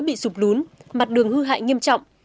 bị sụp lún mặt đường hư hại nghiêm trọng